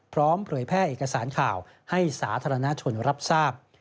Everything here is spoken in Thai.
เผยแพร่เอกสารข่าวให้สาธารณชนรับทราบ